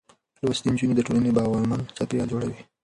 لوستې نجونې د ټولنې باورمن چاپېريال جوړوي.